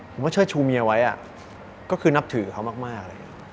ผมก็เชื่อชูเมียไว้อะก็คือนับถือเขามาก